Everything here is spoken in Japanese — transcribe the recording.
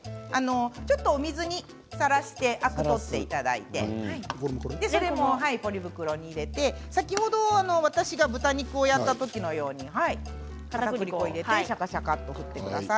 ちょっとお水にさらしてアクを取っていただいてそれもポリ袋に入れて先ほど私が豚肉をやった時のようにかたくり粉を入れてシャカシャカと振ってください。